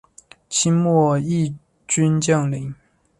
清末毅军将领。